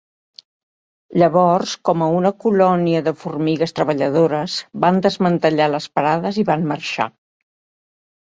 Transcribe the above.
Llavors, coma una colònia de formigues treballadores, van desmantellar les parades i van marxar.